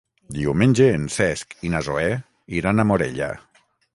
Diumenge en Cesc i na Zoè iran a Morella.